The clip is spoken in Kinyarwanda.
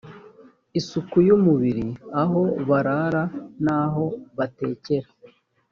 isuku y umubiri aho barara n aho batekera